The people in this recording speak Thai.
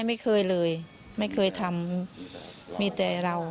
ไม่เคยเลยไม่เคยทำมีแต่เรา